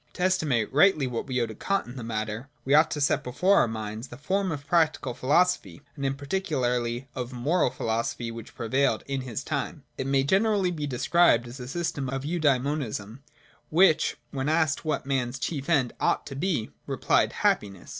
To estimate rightly what we owe to Kant in the matter, we ought to set before our minds the form of practical philosophy and in particular of ' moral philosophy,' which prevailed in his time. It may be generally described as a system of Eudaemonism, which, when asked what man's chief end ought to be, replied Happiness.